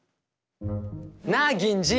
なあ銀次！